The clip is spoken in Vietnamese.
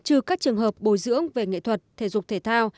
trừ các trường hợp bồi dưỡng về nghệ thuật thể dục thể thao